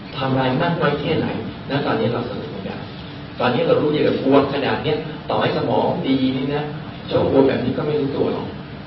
ทำร้ายมากน้อยแค่ไหนณตอนนี้เราเสริมตรงนั้นตอนนี้เรารู้อย่างเกิดบวงขนาดนี้ต่อให้สมองดีนะช่องบวงแบบนี้ก็ไม่รู้ตัวหรอก